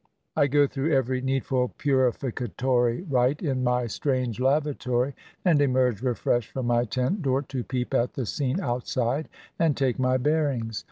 I go through every needful purificatory rite in my strange lavatory, and emerge refreshed from my tent door to peep at the scene outside and take my bearings.